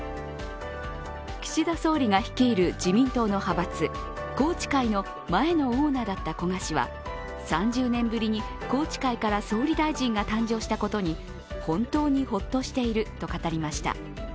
岸田総理が率いる自民党の派閥宏池会の前のオーナーだった古賀氏は３０年ぶりに宏池会から総理大臣が誕生したことに本当にホッとしていると語りました。